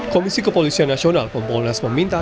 komisi kepolisian nasional kompolnas meminta